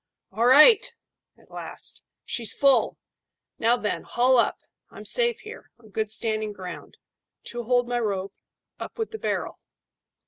"All right!" at last. "She's full. Now, then, haul up. I'm safe here, on good standing ground. Two hold my rope. Up with the barrel."